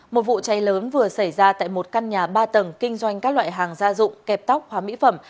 một vụ cháy lớn vừa xảy ra tại một căn nhà ba tầng kinh doanh các loại hàng gia dụng kẹp tóc hóa mỹ phẩm